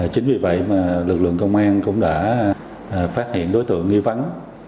chính vì vậy mà lực lượng công an cũng đã phát hiện đối tượng nghi vắng